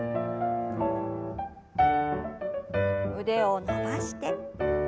腕を伸ばして。